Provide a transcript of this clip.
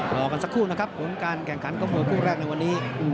รอกันสักครู่นะครับผลการแข่งขันของมวยคู่แรกในวันนี้